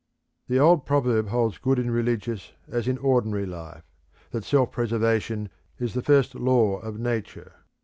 The old proverb holds good in religious as in ordinary life, that self preservation is the first law of Nature.